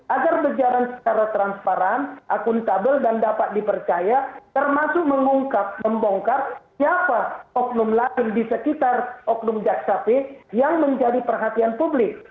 agar berjalan secara transparan akuntabel dan dapat dipercaya termasuk mengungkap membongkar siapa oknum lain di sekitar oknum jaksa p yang menjadi perhatian publik